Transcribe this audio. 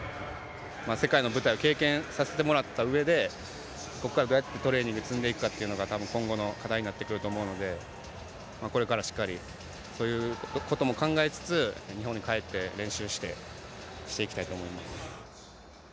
世界の舞台を経験させてもらったうえでここからどうやってトレーニング積んでいくかがたぶん今後の課題になってくると思うのでこれからしっかり、そういうことも考えつつ日本に帰って練習していきたいと思っています。